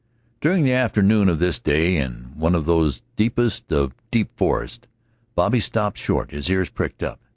During the forenoon of this day, in one of those deepest of deep forests, Bobby stopped short, his ears pricked up.